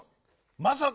まさか！